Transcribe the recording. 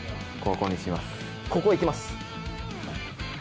ここいきます。